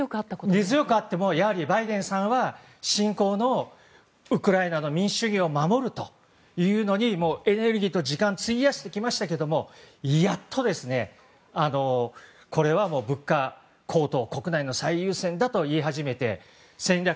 根強くあってもバイデンさんは侵攻されたウクライナの民主主義を守るということにエネルギーと時間を費やしてきましたけども、やっと物価高騰国内の最優先だと言い始めて戦略